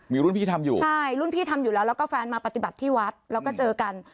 มีรุ่นพี่ทำอยู่ใช่รุ่นพี่ทำอยู่แล้วแล้วก็แฟนมาปฏิบัติที่วัดแล้วก็เจอกัน